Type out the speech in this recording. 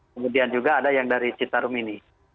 kemudian juga ada yang dari citarum ini